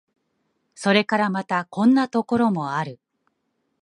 それからまた、こんなところもある。